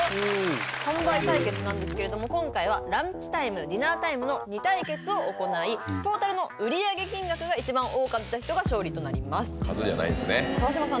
本番対決なんですけれども今回はランチタイム・ディナータイムの２対決を行いトータルの売り上げ金額が一番多かった人が勝利となります数じゃないんすね川島さん